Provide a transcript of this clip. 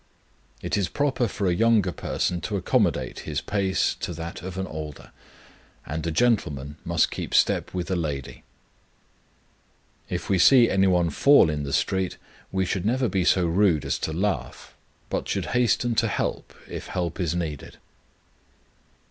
It is proper for a younger person to accommodate his pace to that of an older, and a gentleman must keep step with a lady. If we see any one fall in the street, we should never be so rude as to laugh, but should hasten to help if help is needed.